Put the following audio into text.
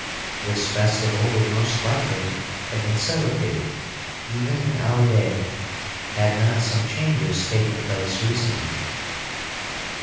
This festival would most likely have been celebrated even in our day had not some changes taken place recently.